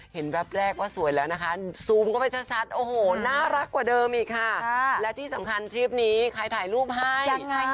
แวบแรกว่าสวยแล้วนะคะซูมเข้าไปชัดโอ้โหน่ารักกว่าเดิมอีกค่ะและที่สำคัญทริปนี้ใครถ่ายรูปให้